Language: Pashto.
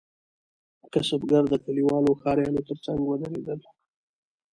کسبګر د کلیوالو او ښاریانو ترڅنګ ودریدل.